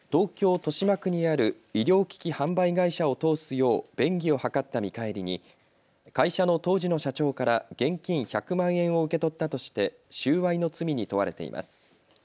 豊島区にある医療機器販売会社を通すよう便宜を図った見返りに会社の当時の社長から現金１００万円を受け取ったとして収賄の罪に問われています。